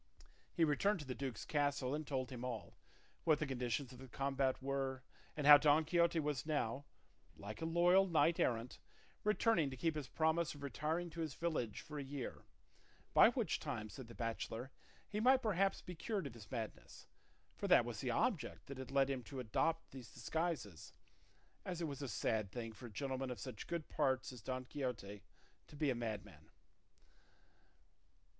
He returned to the duke's castle and told him all, what the conditions of the combat were, and how Don Quixote was now, like a loyal knight errant, returning to keep his promise of retiring to his village for a year, by which time, said the bachelor, he might perhaps be cured of his madness; for that was the object that had led him to adopt these disguises, as it was a sad thing for a gentleman of such good parts as Don Quixote to be a madman.